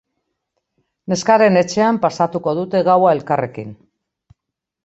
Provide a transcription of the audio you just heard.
Neskaren etxean pasatuko dute gaua elkarrekin.